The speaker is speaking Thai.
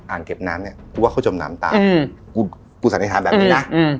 เก็บน้ำเนี่ยกูว่าเขาจมน้ำตายกูสันนิษฐานแบบนี้นะ